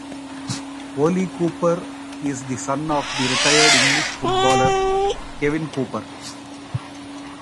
Oli Cooper is the son of the retired English footballer Kevin Cooper.